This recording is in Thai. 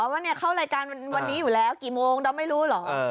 ว่าเข้ารายการวันนี้อยู่แล้วกี่โมงดอมไม่รู้เหรอ